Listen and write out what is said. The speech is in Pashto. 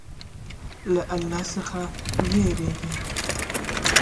له الله څخه وويريږئ